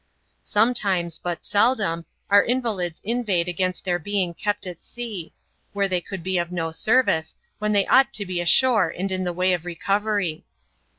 Sometimes, but seldom, our invalids inveighed against their being kept at sea, where they could be of no service, when they ought to be ashore and in the way of recovery.